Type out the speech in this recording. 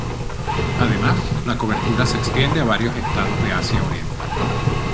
Además, la cobertura se extiende a varios estados de Asia oriental.